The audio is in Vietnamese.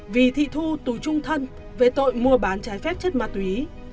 vì thị thu tù trung thân về tội mua bán trái phép chất ma túy